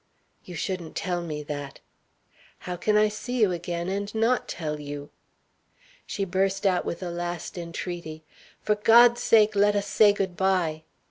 "You shouldn't tell me that!" "How can I see you again and not tell you?" She burst out with a last entreaty. "For God's sake, let us say good by!"